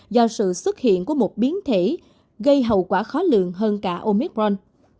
do sự xuất hiện của một biến thể gây hậu quả khó lượng hơn cả omicron